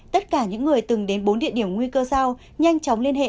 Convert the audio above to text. tất cả những người từng đến bốn địa điểm nguy cơ giao nhanh chóng liên hệ